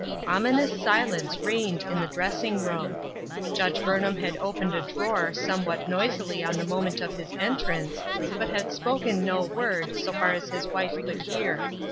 Ominous silence reigned in the dress ing room. Judge Burnham had opened a drawer somewhat noisily on the moment of his entrance, but had spoken no word, so far as his wife could hear.